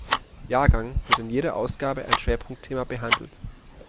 Jahrgang wird in jeder Ausgabe ein Schwerpunktthema behandelt.